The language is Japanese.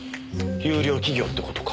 優良企業って事か。